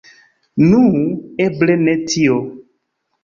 Nu, eble ne tio.